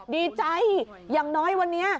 ดีใจอย่างน้อยวันนี้